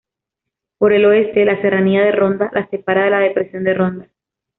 Por el oeste, la Serranía de Ronda la separa de la Depresión de Ronda.